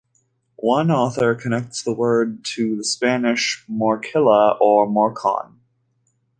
One author connects the word to the Spanish "morcilla" or "morcon".